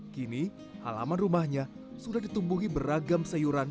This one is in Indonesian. kini halaman rumahnya sudah ditumbuhi beragam sayuran